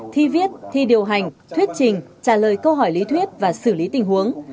thi viết thi điều hành thuyết trình trả lời câu hỏi lý thuyết và xử lý tình huống